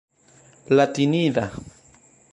latinida